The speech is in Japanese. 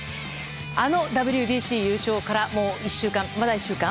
あのＷＢＣ優勝からもう１週間。